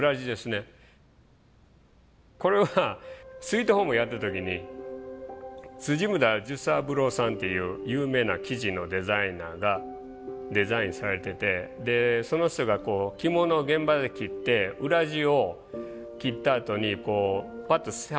これは「スウィートホーム」やってる時に村寿三郎さんっていう有名な生地のデザイナーがデザインされててその人がこう着物を現場で切って裏地を切ったあとにこうぱっと捨てはったんですね